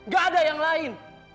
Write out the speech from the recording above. gak ada yang lain